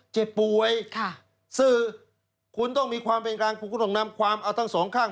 เจ็บป่วยค่ะสื่อคุณต้องมีความเป็นกลางคุณก็ต้องนำความเอาทั้งสองข้าง